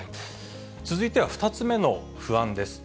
続いては２つ目の不安です。